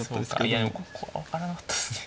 いやでもここは分からなかったですね。